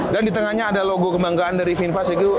dan di tengahnya ada logo kebanggaan dari finfast gitu